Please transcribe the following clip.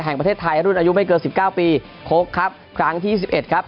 แห่งประเทศไทยรุ่นอายุไม่เกินสิบเก้าปีคกครับครั้งที่ยี่สิบเอ็ดครับ